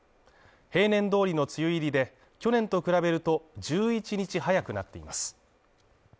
平年通りの梅雨入りで去年と比べると、１１日早くなっています。